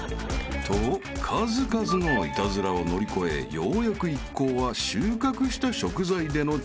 ［と数々のイタズラを乗り越えようやく一行は収穫した食材での朝食タイムへ］